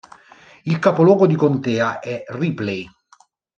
Il capoluogo di contea è Ripley.